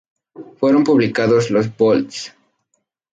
Fueron publicados los vols.